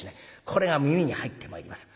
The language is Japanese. これが耳に入ってまいります。